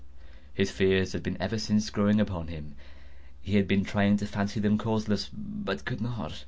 His fears had been ever since growing upon him. He had been trying to fancy them causeless, but could not.